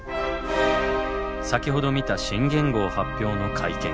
先ほど見た新元号発表の会見